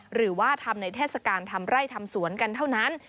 หรือว่าทำในเทศกาลทำไร่ทำสวนกันเท่านั้น